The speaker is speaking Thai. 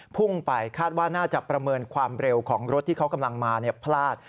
พุ่งไปคาดว่าน่าจะประเมินความเร็วของรถที่เขากำลังมาพลาด